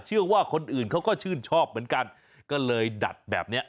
เชื่อว่าคนอื่นเขาก็ชื่นชอบเหมือนกันก็เลยดัดแบบเนี้ย